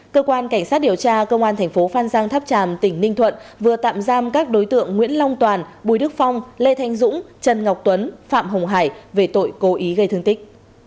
cơ quan cảnh sát điều tra công an thành phố phan giang tháp tràm tỉnh ninh thuận vừa tạm giam các đối tượng nguyễn long toàn bùi đức phong lê thanh dũng trần ngọc tuấn phạm hồng hải về tội cố ý gây thương tích